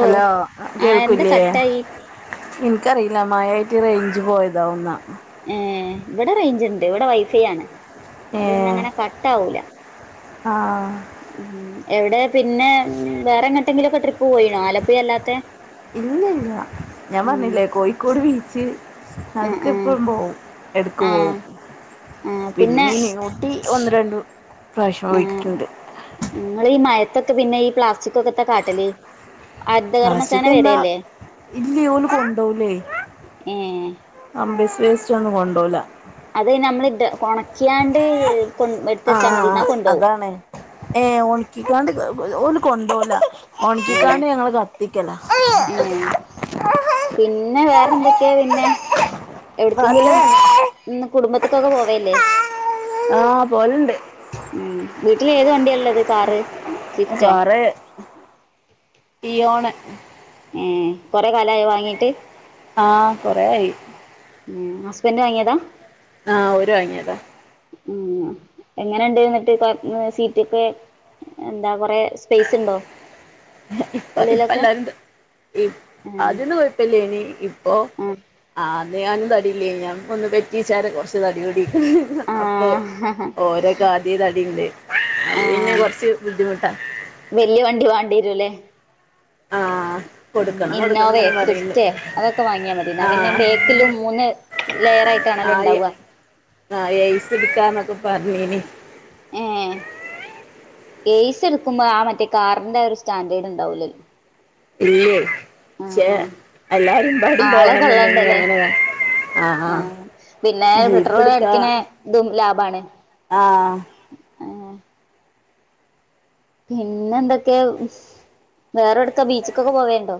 Hello ആഹ് ആ എന്താ കേൾക്ക്ല്ലേ? കട്ടായി ഇൻക്കറീല മഴയായിട്ട് റേഞ്ച് പോയതാവും ന്നാ ഏഹ് ഇവടെ റേയ്ഞ്ച്ണ്ട് ഇവിടെ വൈഫൈ ആണ് അത് പിന്നെ അങ്ങനെ കട്ട് ആവൂല ആഹ് എന്തേ പിന്നെ വേറെ എങ്ങോട്ടെങ്കിലൊക്കെ ട്രിപ്പ് പോയിണോ ആലപ്പുഴ അല്ലാത്തെ? ഇല്ല ഇല്ല ഞാൻ ഉം പർഞ്ഞില്ലേ കോഴിക്കോട് ബീച്ച് ആ അവ്ട്ക്ക് ആ എപ്പളും പോവും എട്ക്ക് ആ പോവും പിന്നെ മീൻ ഈ ഒന്ന് രണ്ട് പ്രാവശ്യം പോയിട്ട് ഇങ്ങള് മഴത്തൊക്കെ പിന്നെ ഈ പ്ലാസ്റ്റിക്ക് ഒക്കെ എത്താ കാട്ടല് ഹരിതകർമ്മസേന പ്ലാസ്റ്റിക് എന്താ വരല്ലേ ഇല്ല്യേ ഓല് കൊണ്ടോവുലെ ഏ ആ ബിസ് വേസ്റ്റൊന്നും കൊണ്ടോല അത് ഞമ്മള് ഒണക്കിയാണ്ട് ആഹ് ആഹ് ആഹ് അതാണ് ഏഹ് ഒണക്കിക്കാണ്ട് ഓല് കൊണ്ടോല ഒണക്കിക്കാണ്ട് ഞങ്ങള് കത്തിക്കലാ ഏഹ് പിന്നെ വേറെന്തൊക്കെയാ പിന്നെ? എവിട്ക്കെങ്കിലും അല്ലേ ഇന്ന് കുടുംബത്ത്ക്കൊക്കെ പോവേല്ലേ? ആഹ് പോലണ്ട് വീട്ടില് ഏത് വണ്ടിയാ ഇള്ളത് കാറ് സ്വിഫ്റ്റോ കാറ് ടിയോണ ഏഹ് കൊറേ കാലായോ വാങ്ങീട്ട്? ആഹ് കൊറേ ആയി ഉം ഹസ്ബൻ്റ് വാങ്ങിയതാ? ആഹ് ഓര് വാങ്ങിയതാ ഉം എങ്ങനെണ്ട് എന്നിട്ട് കൊ സീറ്റൊക്കെ എന്താ കൊറേ ഇപ്പ ഉള്ളിലൊക്കെ ഇപ്പല്ലരുണ്ട് അതീന്നു പ്പല്ലേനി ഇപ്പോ ആഹ് ആഹ് ഞാനും തടിയില്ലേനീ ഞാൻ ഒന്ന് പെറ്റിച്ചാെ കൊർച്ച് തടിയൂടി അപ്പൊ ആഹ് ആഹ് ഓരോക്കെ ആദ്യെ തടിണ്ട് അതിന് കൊറച്ച് ബുദ്ധിമുട്ടാ വല്ല്യ വണ്ടി വാണ്ടിരൂല്ലേ കൊടുക ഇന്നോവ സ്രിസ്റ്റ് അതൊക്കെ വാങ്ങിയാ മതി എന്നാ ആ പിന്നെ ബേക്കിലും മൂന്ന് ലെയർ ആയിട്ടാണല്ലോണ്ടാവ ആഹ് ഏയ്സ് ഇട്ക്കാന്നൊക്കെ പറഞ്ഞേനി ഏഹ് ഏയ്സ് എട്ക്കുമ്പോ ആ മറ്റേ കാറിന്റെ ഒരു സ്റ്റാൻഡേർഡ് ഇണ്ടാവൂലേ ഇല്ലേ പക്ഷെ എല്ലാരും വരുമ്പോ ആളെ ഓണം ഒണ്ടെങ്കിൽ കൊള്ളണ്ടല്ലേ അങ്ങനെ ആ ആ ആഹ് പിന്നെ ജീപ്പ് പെട്രോള് അടിക്ക്ണ ഇതും ലാഭാണ് ആഹ് ആഹ് പിന്നെ എന്തൊക്കെയാ വേറെ എവിടെക്കാ ബീച്ച്ക്കൊക്കെ പോവേണ്ടോ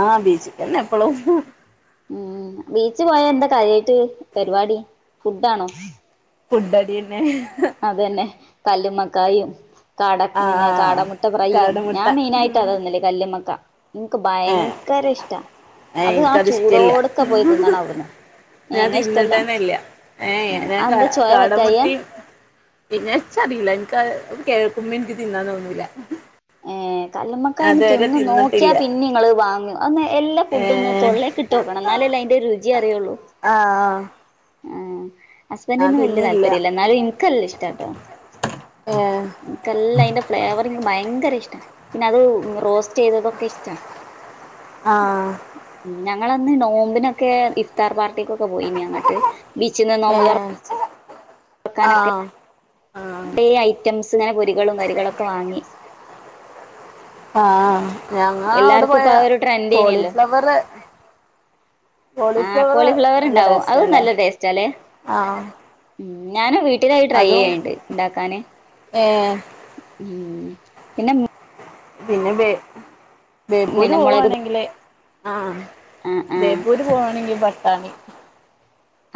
ആഹ് ബീച്ചി തന്നെ എപ്പളും ഉം ബീച്ച് പോയാ എന്താ കാര്യായിട്ട് പരിപാടി ഫുഡാണോ ഫുഡടിന്നെ അതന്നെ കല്ലുമ്മക്കായും കാട ആ പിന്നെ കാടമുട്ട ഫ്രൈയും കാടമുട്ട ഞാൻ മെയിനായിട്ട് അതാ തിന്നല് കല്ല്മ്മക്ക എനിക്ക് ഏ ഭയങ്കര ഇഷ്ടാ അത് ആ എനിക്കത് ഇഷ്ടല്ല ചൂടോടൊക്കെ പോയി തിന്നണം അവിടുന്ന് ഞാൻ ഏങ്ങ ഇഷ്ടല്ല തിന്നിട്ടെന്നില്ല ഏഹ് ഞാൻ അതെന്താ ചോയ പറ്റായ്ക കാടമുട്ടേം പിന്നെ എച്ചറിയില്ല എനിക്ക് അത് കേൾക്കുമ്പോ എനിക്ക് തിന്നാൻ തോന്നൂല [inaudible] കല്ല്മ്മേക്കായ അയിന് അതുവരെ തിന്ന് തിന്നിട്ടില്ല നോക്കിയാൽ പിന്നെ നിങ്ങള് വാങ്ങും അന്ന് എല്ലാ ഏ ഫുഡും ഒന്ന് തൊള്ളേ കിട്ടു ട്ടോക്കണം എന്നാലല്ലേ അയിന്റെ രുചി അറിയുള്ളൂ ആഹ് ഹസ്ബൻ്റിന് വല്യ തിന്നില്ല താല്പര്യ ഇല്ല എന്നാലും എനക്ക് നല്ല ഇഷ്ടാട്ടോ ഏ ഇക്ക് നല്ല അയിന്റെ ഫ്ലേവർ ഭയങ്കര ഇഷ്ടാ പിന്ന അത് റോസ്റ്റ് ചെയ്തതൊക്കെ ഇഷ്ടാ ആഹ് ഉം ഞങ്ങളന്ന് നോമ്പിനൊക്കെ ഇഫ്താർ പാർട്ടിക്കൊക്കെ പോയിനി അങ്ങട്ട് ബീച്ചിന്ന് നോമ്പ് ഏഹ് ആഹ് ആഹ് ഈ ഐറ്റംസിനെ പൊരികളും വരികളൊക്കെ വാങ്ങി ആ [inaudible] ആഹ് അഹ് ഞങ്ങളെ അവടെ എല്ലാർക്കും ഇപ്പൊ പോയാ ആ ഒരു ട്രെൻഡേനിയല്ലോ കോളിഫ്ലവറ് ആഹ് കോളിഫ്ലവറ് കോളിഫ്ലവർ നല്ല ണ്ടാവും അത് ടേസ്റ്റല്ലേ നല്ല ടേസ്റ്റാല്ലേ? ആഹ് ഉം ഞാന് വീ അതും ഏഹ് ഉം പിന്നെ പിന്നെ ബേ ബേപ്പൂര് പിന്നെ മുളക് പോവാണെങ്കില് ആഹ് ആഹ് ആഹ് ബേപ്പൂര് പോവാണെങ്കിൽ പട്ടാണി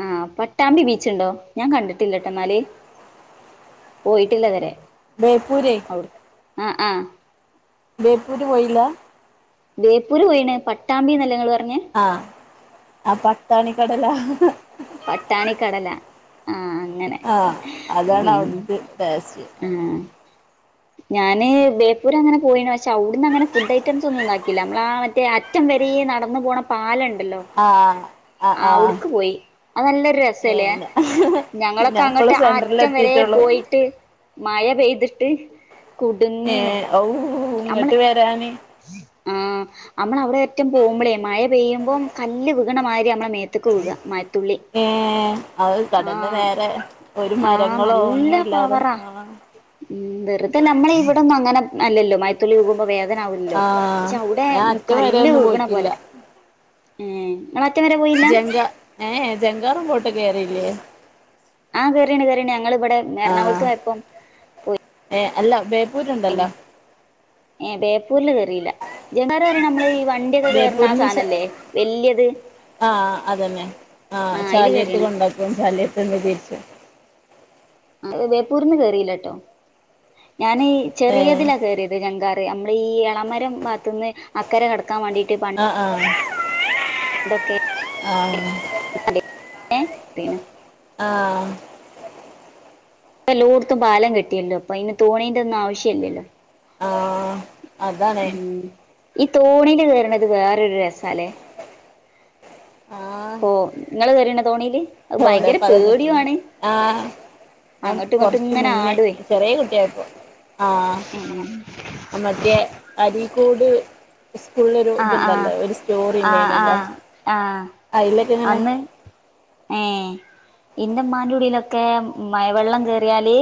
ആഹ് പട്ടാമ്പി ബീച്ചുണ്ടോ? ഞാൻ കണ്ടിട്ടില്ലട്ടെന്നാല്. പോയിട്ടില്ല ഇതരെ ബേപ്പൂരേ അഒട് ആഹ് ആഹ് ബേപ്പൂര് പോയില്ല? ബേപ്പൂര് പോയിണ്. പട്ടാമ്പി ന്നല്ലേ ഇങ്ങള് പറഞ്ഞേ? ആഹ് അഹ് പട്ടാണിക്കടല പട്ടാണിക്കടല ആഹ് അങ്ങനെ ആഹ് അതാണ് ഉം അവിടുത്തെ ടേസ്റ്റ് ആഹ് ഞാന് ബേപ്പൂര് അങ്ങനെ പോയിണ് പക്ഷെ അഒട്ന്ന് അങ്ങനെ ഫുഡ് ഐറ്റംസ് ഒന്നും ഉണ്ടാക്കിയില്ല. നമ്മള ആഹ് മറ്റേ റ്റം വരേ നടന്ന് പോണ പാലണ്ടല്ലോ? ആഹ് അഹ് അഹ് അത് നല്ലൊരു രസല്ലേ ഞങ്ങളൊക്കെ ഞാൻ ഇപ്പള് അങ്ങട്ട് ആഹ് സെന്ററിൽ അറ്റം വരെ എത്തിട്ടുള്ളൂ പോയി. ട്ട് മഴ പെയ്തിട്ട് കുടുങ്ങീണ് ഏഹ് ഔ ഇങ്ങട്ട് വരാന് ആഹ് ആഹ് നമ്മള അവടെ അറ്റം പോകുമ്പളേ മഴ പെയ്യുമ്പോം കല്ല് വിക്ണ മാരി നമ്മള മേത്ത്ക്ക് വ്ക മ ഏഹ് അത് കടന്റെ നേരെ ഒരു ആഹ് മരങ്ങളോ നല്ല ഒന്നു ഇല്ലാതെ പവറാ ആഹ് ഉം വെറുതെ ല്ല നമ്മള ഇവിടെന്നും അങ്ങനെ അല്ലല്ലോ മഴത്തുള്ളി വ്ക്മ്പോ വേദന ല്ലോ ആഹ് പക്ഷെ അവടെ ഞാൻ അറ്റം വരെ കല്ല് ഒന്നും വിക്ണ പോയിട്ടില്ല പോലെ ഏഹ് ഇങ്ങള് അറ്റം വരെ പോയി ജങ്കാ ഏഹ് ഹേ ജങ്കാറും ബോട്ടും കയറില്ലേ? ആഹ് കേറിണ് കേറിണ് ഞങ്ങള് വടെ ആഹ് ഏഹ് അല്ല ബേ [unintelligible] ഏഹ് ബേപ്പൂരില് കേറിയില്ല. ജങ്കാർ പറിണ നമ്മള് ഈ വണ്ടിയൊക്കെ കേറ്ണ ആഹ് ബേപ്പൂരിന് ശേ സാനല്ലേ വല്യത്? ആഹ് അതന്നേ ആഹ് ആ അയില് ചാലിയത്ത് കേറിയാണ് കൊണ്ടുവക്കും ചാലിയത്ത് [unintelligible] തിരിച്ച് ആഹ് ബേപ്പൂരിന്ന് കേറിയില്ലട്ടോ ഞാനി ഏഹ് ചെറിയതിലാ കേറി ജങ്കാറ് നമ്മള് ഈ എളമരം ഭാഗത്ത്ന്ന് അക്കരെ കടക്കാൻ വാണ്ടീട്ട് പ അഹ് ആഹ് ആഹ് [unintelligible] ആഹ് എല്ലോട്ത്തും പാലം കെട്ടില്ലോ ഇപ്പം അയിന് തോണിൻ്റെ ഒന്നും ആവശ്യല്ലല്ലോ. ആഹ് അതാണേ ഉം ഈ തോണില് കേറ്ണത് വേറൊരു രസാലേ പ്പോ ഇങ്ങള് കേറിണോ തോണില്? എഒടെ പ്പത് കിട്ട്ണേ ആഹ് ഞാൻ അങ്ങോട്ടും ഇങ്ങോട്ടും കൊറച്ചു ഇങ്ങനെ മുന്നേ ആടുവേ ചെറിയ കുട്ടിയായിപ്പോ ആഹ് ഉം മറ്റേ അരീക്കോട് സ്കൂളില് ഒരു ആഹ് ആഹ് ഇതുണ്ടലോ ഒരു സ്റ്റോറി ആഹ് ഉണ്ടെയിനല്ലോ ആഹ് ആഹ് അയില് ഒക്കെ ഇങ്ങനെ അന്ന് ഏഹ് ഇന്റെ ഇമ്മാൻ്റെ ക്കുടിലൊക്കെ മഴവെള്ളം കേറിയാല്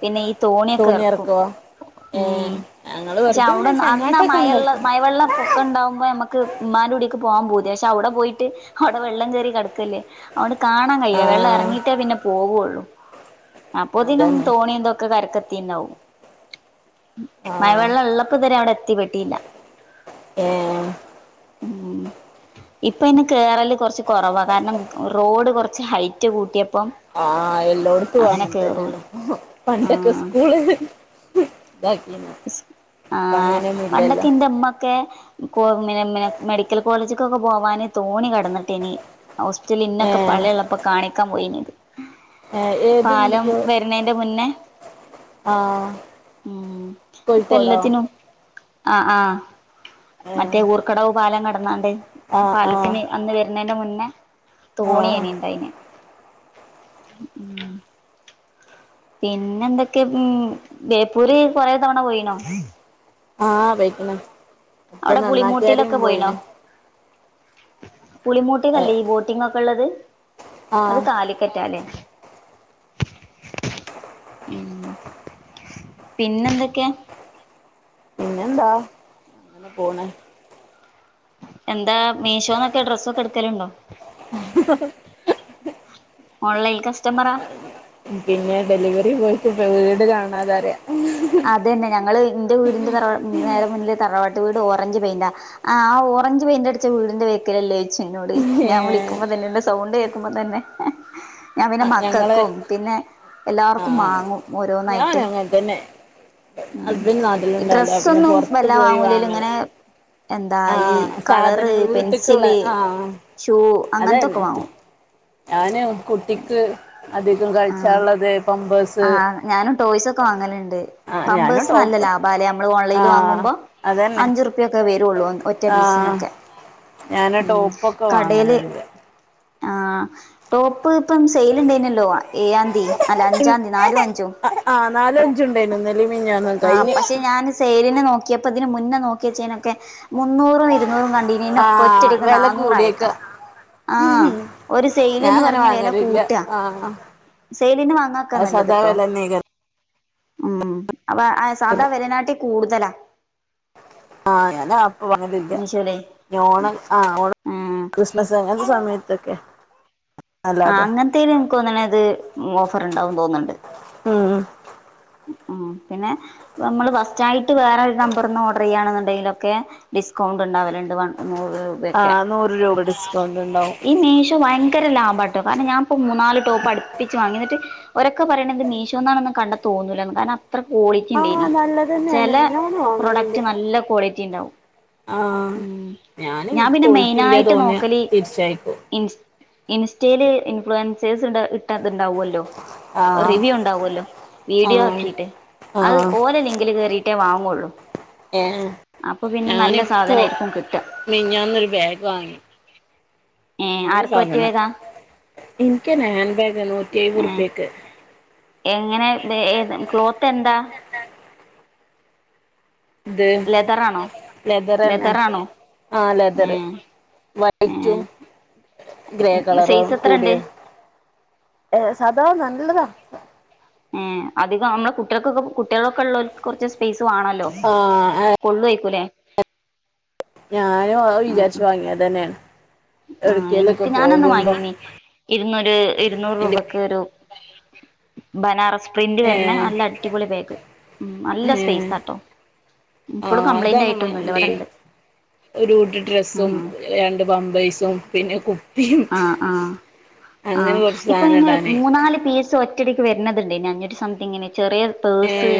പിന്നെ ഈ തോണിയൊക്കെ സോണി ഇറ്ക്കും എറക്കുവോ ഏഹ് മം ഞങ്ങള് പക്ഷെ വെറുതെ ഇങ്ങനെ അവിടന്ന അന്നാ ചങ്ങാട്ടൊക്കെ മഴയൊള്ള ഉണ്ടാക്കും മഴവെള്ളം പോ ഒക്കെ ഉണ്ടാവുമ്പോ ഞമ്മക്ക് ഉമ്മാൻ്റെ കുടീക്ക് പോവാൻ പൂതിയാണ് പക്ഷെ അവിടെ പോയിട്ട് അവിടെ വെള്ളം കേറി കിടക്കല്ലേ അതുകൊണ്ട് കാണാൻ കഴിയില്ല വെള്ളം ആഹ് ഇറങ്ങിട്ടേ പിന്നെ പോവുള്ളു അപ്പൊ തിനും അതന്നെ തോണി എന്തൊക്കെ കരക്കെത്തിണ്ടാവും ആഹ് മഴവെള്ളം ഇള്ളപ്പൊ ഇതരെ അവിടെ എത്തി പെട്ടില്ല ഏ ഉം ഇപ്പ അയിന് കേറല് കുറച്ച് കുറവാ കാരണം റോഡ് കുറച്ച് ഹൈറ്റ് കൂട്ടിയപ്പം ആഹ് എല്ലോട്ത്തും അങ്ങനെ തന്നെയാണ് പണ്ടൊക്കെ ആഹ് സ്കൂളില് ഉം ഇതാകീണ് ഇപ്പം അങ്ങനെയൊന്നും ഇല്ലല്ലോ മ്മക്കേ കോ മേനെ മേനെ മെഡിക്കൽ കോളേജിക്കൊക്കെ പോവാന് തോണി കടന്നിട്ടേനി ഹോസ്റ്റല് ഇന്നൊക്കെ ഏഹ് പള്ളേ ള്ളപ്പോ കാണികാം പോയിനത് ഏഹ് ഏത് പാലം മെഡിക്കോ വരുണേന്റെ മുന്നേ ആഹ് ഉം ഇപ്പം കോഴിക്കോടോ എല്ലാത്തിനും ആഹ് ആഹ് ഏഹ് മറ്റേ ഊർക്കടവ് പാലം കടന്നാണ്ട് ആഹ് ആഹ് പാലത്തിന് അന്ന് വര്ണേന്റെ മുന്നേ ആഹ് തോണിയെനി ഉണ്ടായിനെ ഉം ഉം പിന്നെ എന്തൊക്കെ ഉം ബേപ്പൂര് കൊറെ തവണ പോയിണോ ആഹ് പോയിക്ക്ണ് ഇപ്പം നന്നാക്കിയാരിം പോയിണ് പുളിമൂട്ടിന്നല്ലേ ഈ ബോട്ടിംഗ് ഒക്കെള്ളത് അത് ആഹ് കാ കാലിക്കറ്റാല്ലേ ഉം പിന്നെ എന്തൊക്കെ പിന്നെന്താ അങ്ങനെ പൊണ് എന്താ മീഷോന്നൊക്കെ ഡ്രസ്സൊക്കെ എട്ക്കലുണ്ടോ ഓൺലൈൻ കസ്റ്റമറ പിന്നെ ഡെലിവറി ബോയ്ക്ക് ഇപ്പം വീട് കാണാതെ അറിയ അതന്നെ ഞങ്ങളെ വീ ഇന്റെ വീടിന്റെ തറവാ നേരെ മുന്നില് തറവാട്ട് വീട് ഓറഞ്ച് പെയിൻ്റാ ആഹ് ആഹ് ഓറഞ്ച് പെയിൻ്റ് അടിച്ച വീടിന്റെ ബാക്കിലല്ലേ ചോച്ച് ഇന്നോട് ഞാൻ ഏഹ് വിളിക്കുമ്പോ തന്നെ എൻ്റെ സൗണ്ട് കേ ക്കുമ്പോ തന്നെ [inaudible] ഞാൻ പിന്നെ ഞങ്ങള് മക്കക്കും പിന്നെ എല്ലാവർക്കും മാങ്ങും ഓരോന്നായിട്ട് പിന്നെ ഉം ഹസ്ബൻഡ് ഈ നാട്ടിലുണ്ടാവില്ല പിന്നെ ഡ്രസ്സൊന്നും പുറത്ത് വല്ലാ പോയി വാങ്ങൂലേലും വാങ്ങല് ഇങ്ങനെ എന്താ ഈ ആഹ് കളറ് സാധനങ്ങള് വീട്ട്ക്ക് ള്ളെ പെൻസില് ആഹ് ഷൂ അങ്ങനത്തൊക്കെ അതന്നെ വാങ്ങും ഞാനും കുട്ടിക്ക് അധികം ആഹ് കഴിച്ചാള്ളത് പമ്പേഴ് സ് ആഹ് ഞാനും ടോയ്സൊക്കെ വാങ്ങലുണ്ട് ആഹ് ഞാനും പമ്പേഴ്സ് നല്ല ടോപ്പ് ലാഭാലേ ആഹ് അതന്നെ ഒക്കെ വരുള്ളൂ ഒറ്റ ആഹ് പ്പിസിനൊക്കെ ഞാന് ഉം ടോപ്പൊക്കെ കടേല് വാങ്ങലുണ്ട് ആഹ് ടോപ്പ് ഇപ്പം സെയിൽ ഇ ണ്ടായിനല്ലോ ഏയാന്തി അല്ല അഞ്ചാന്തി നാലും അഞ്ചും ആഹ് ആഹ് നാലും അഞ്ചുണ്ടായിനു ഇന്നലിം മിഞ്ഞാന്നും ആഹ് കഴിഞ്ഞ് പക്ഷെ ഞാൻ സേല്നെ നോക്കിയപ്പോ ഇതിന് മുന്നേ നോക്കിയച്ചേനൊക്കെ മുന്നൂറും ഇരുന്നൂറും കണ്ടി ന്നു ആഹ് കൊറ്റടിക്ക് വെല നാന്നൂറാ യേ ക്കാ കൂടിയേക്കാ ആഹ് ഒരു ഞാൻ സൈൽന്ന് അങ്ങനെ പറഞ് വല വാങ്ങലില്ല കൂട്ടാ ആഹ് സെയ്ലിന് വാങ്ങാക്കാ അത് സദാ നല്ലത്ട്ടോ വെലന്നേക്കാരം ഉം അപ്പ സാധാ വെലനാട്ടി കൂടുതലാ ആഹ് ഞാന് [unintelligible] മീശോലെ ഞ് ഓണം ആഹ് ഓണ ഉം കൃ മസ് അങ്ങൻത്തെ സമയത്തൊക്കെ ആഹ് അല്ലാതെ അങ്ങനത്തേല് എൻക്ക് തൊന്ന്ണത് ഓഫർ ഉണ്ടാവു തോന്നുണ്ട് ഉംഉം ആഹ് പിന്നെ നമ്മള് ഫസ്റ്റ് ആയിട്ട് വേറെരു നമ്പർന്ന് ഓർഡർയാണ് ണ്ടേങ്കിലൊക്കെ ഡിസ്കൗണ്ട് ഉണ്ടാവലുണ്ട് വൺ നൂറ് പ്യെക്കെ ആഹ് നൂറ് രൂപ ഡിസ്കൗണ്ട് ഉണ്ടാവും ഈ മീശോ ഭയങ്കര ലാഭാ ട്ടോ കാരണം ഞാൻപ്പോ മൂന്നാല് ടോപ്പ് അടുപ്പിച്ച് വാങ്ങിന്നിട്ട് ഒരക്കെ പറയണത് മീഷോന്നാണന്ന് കണ്ട തോന്നൂല്ല കാരണം അത്ര ക്വാളിറ്റി ആഹ് ഇണ്ടയ്നി നല്ലത് തന്നെയാണ് ചല ഞാനും പ്രൊഡക്റ്റ് വാങ്ങലുണ്ട് നല്ല ക്വാളി റ്റിണ്ടാവും ആഹ് ഉം ഞാന് ഞാൻ പിന്നെ ക്വാളിറ്റി ഇല്ല മെയിനായിട്ട് തോന്നിയ നോക്കല് തിരിച്ചയക്കും ഇൻസ് ഇൻസ്റ്റേല് ഇൻഫ്ലുവൻസേഴ്സ് ഇട്ടാ ത്ണ്ടാവുല്ലോ ആഹ് റിവ്യൂ ഉണ്ടാവല്ലോ വീഡിയോ ആഹ് ആക്കിയിട്ട് അത് ആഹ് ഓല ലിങ്കില് കേറിയിട്ടേ വാങ്ങുള്ളൂ ഏഹ് അപ്പൊ പിന്നെ നല്ല ഞാനിപ്പോ സാധനായിരിക്കും കിട്ട മിഞ്ഞാന്നൊരു ബാഗ് വാങ്ങി ഏഹ് നല്ല ആർക്ക് സാധനം പറ്റിയവേതാ ഇൻക്ക് ഹാൻ ബാഗാ നൂറ്റിഴ്‌വഹ് ഏഹ് ർപ്യക്ക് എങ്ങനെ തേ ഏത് ക്ലോത്ത് എന്താ ത് ലെതറാണോ ലെതർന്നെ ലെതറാണോ ആഹ് ലതറ് ഏഹ് വ റ്റും ഗ്രേ ഏഹ് കളറ സൈസ് എത്രണ്ട് കൂടിയ ഏഹ് സാദാ നല്ലതാ ഏഹ് അധികം നമ്മുടെ കുട്ടികൾക്കൊക്കെ കുട്ടികളൊക്ക ഉള്ളോൽക്ക് കുറച്ച് സ്പെയ്സ് വണല് ആഹ് ഏഹ് കൊള്ളു യ്ക്കൂലെ ഞാനും ഔ ആഹ് വിചാരിച്ചു ആഹ് വാങ്ങിയതന്നെണ് ആഹ് എനിക്ക് ഞാനൊന്ന് വാങ്ങീന്ന് ഇരുന്നൂര് ഇരുന്നൂറ് എന്റെ രൂപക്ക് ഒരു ബനാറസ് പ്രിന്റ് ഏ വരുന്ന നല്ല അടിപൊളി ബാഗ് ഉം നല്ല ഏ സപെയ്സാട്ടോ ആ ഇപ്പളും കംപ്ലൈന്റ് ആയിട്ടൊന്നുല്ല ഇവിടെണ്ട് ഒരുകൂട്ട് ഡ്രെസ്സും ആഹ് രണ്ട് പമ്പേഴ്സും പിന്നെ കു ആഹ് ആഹ് ആഹ് കുറച്ച് സാധനം ഇപ്പൊഇങ്ങനെ ഇടാന് മൂന്നാല് പീസ് ഒ റ്റടിക്ക് വരന്നത് ണ്ടേയിന്ന് അഞ്ഞൂറ്റി സംതിങ്ങിന് ചെറിയ ഏ പേഴ്സ്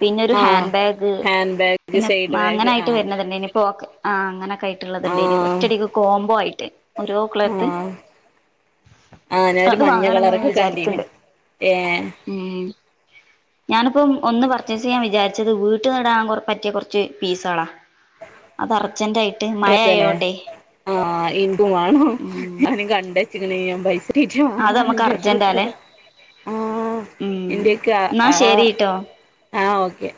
പിന്നെ ഒരു ആ ഹാൻ ബാഗ് ഹാൻഡ് ബാഗ് പിന്നെ സൈഡ് ബാഗ് ആ അങ്ങനായിട്ട് വര്ന്നത് ണ്ടേയ്ന്നു ഇപ്പൊ ഓക്കേ ആഹ് അങ്ങനക്കെ ആയിട്ട്ള്ളത് ആ ണ്ടായിനി ഒറ്റടിക്ക് കോമ്പോ ആയിട്ട് ഓരോ ക്ല ആഹ് ആഹ് ഞാനൊരു അത് മഞ്ഞ വാങ്ങണംന്ന് കളറൊക്കെ കണ്ടീന് വിചാരിക്ക്ണ്ട് ഏഹ് ഉം ഞാനിപ്പം ഒന്ന് പർച്ചേസ്യ്യാൻ വിചാരിച്ചത് വീട്ട് നടാൻ പറ്റിയ കുറച്ച് പീസ്കളാ. അത് അർജന്റ ആയി ഡ്രസ്സ്ന്നെ ആഹ് ഇൻകു വാണോ ഉം ഞാനും കണ്ടച്ചിക്ണ് യാ പൈസ. ടീച്ച് അത് വാങ്ങാന് നമുക്ക് അർജന്റാലേ ജാര്ച്ച ആഹ് ഉം ഇന്ത്യക്ക എന്നാ ആഹ് ശരിട്ടോ ആഹ് ഓക്കെ.